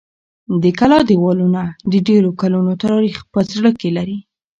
د کلا دېوالونه د ډېرو کلونو تاریخ په زړه کې لري.